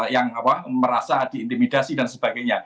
yang merasa diintimidasi dan sebagainya